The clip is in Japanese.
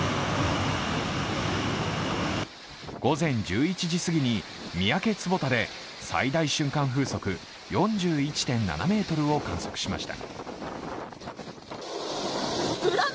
午前１１時過ぎに三宅坪田で最大瞬間風速４１．７メートルを観測しました。